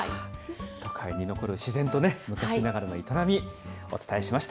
都会に残る自然と、昔ながらの営み、お伝えしました。